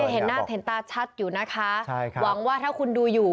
เห็นตาชัดอยู่นะคะหวังว่าถ้าคุณดูอยู่